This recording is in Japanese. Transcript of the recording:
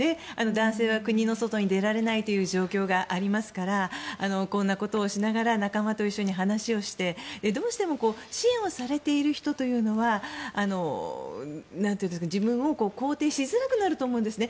男性は国の外に出られないという状況がありますからこんなことをしながら仲間と一緒に話をしてどうしても支援をされている人というのは自分を肯定しづらくなると思うんですね。